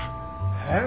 えっ？